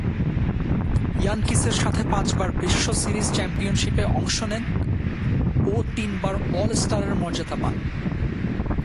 ইয়ানকিসের সাথে পাঁচবার বিশ্ব সিরিজ চ্যাম্পিয়নশীপে অংশ নেন ও তিনবার অল-স্টারের মর্যাদা পান।